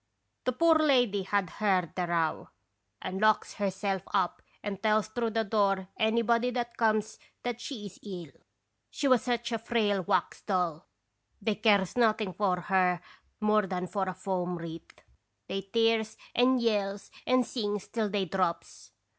The poor lady had heard the row and locks herself up and tells through the door anybody that comes that she is ill. 182 & (^radons bisitation. She was such a frail wax doll they cares noth ing for her more than for a foam wreath. They tears and yells and sings till they drops.